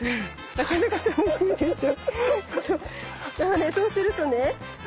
なかなか楽しいでしょ。